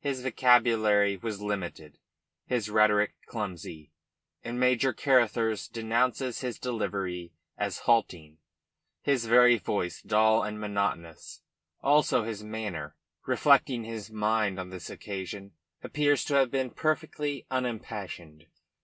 His vocabulary was limited, his rhetoric clumsy, and Major Carruthers denounces his delivery as halting, his very voice dull and monotonous; also his manner, reflecting his mind on this occasion, appears to have been perfectly unimpassioned.